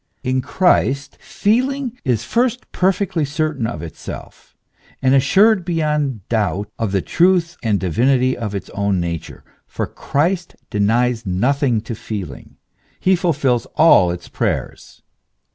In Christ feeling is first perfectly certain of itself, and assured heyond doubt of the truth and divinity of its own nature; for Christ denies nothing to feeling ; he fulfils all its prayers.